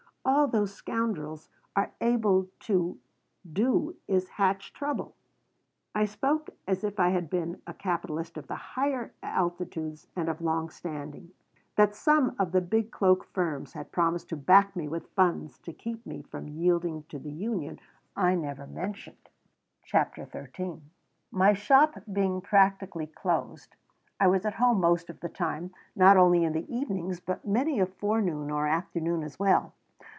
All those scoundrels are able to do is to hatch trouble." I spoke as if I had been a capitalist of the higher altitudes and of long standing. That some of the big cloak firms had promised to back me with funds to keep me from yielding to the union I never mentioned. CHAPTER XIII MY shop being practically closed, I was at home most of the time, not only in the evening, but many a forenoon or afternoon as well.